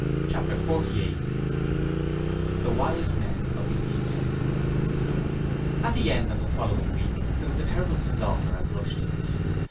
Chapter 48 The Wise men of the East At the end of the following week there was a terrible slaughter at Rushton's.